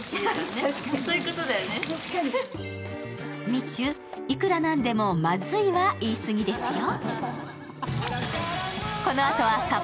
みちゅ、いくらなんでも「まずい」は言い過ぎですよ。